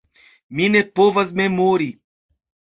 Mi ne povas memori.